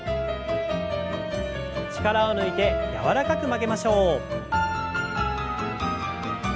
力を抜いて柔らかく曲げましょう。